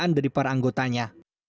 perkecayaan dari para anggotanya